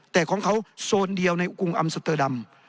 แต่ของเขาโซนเดียวในกรุงอัมสเตอร์ดัม